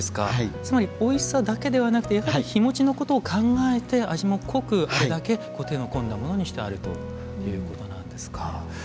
つまりおいしさだけではなくてやはり日もちのことを考えて味も濃くあれだけ手の込んだものにしてあるということなんですか。